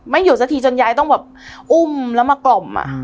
ไม่หยุดซะทียายต้องอุ้มและกล่อม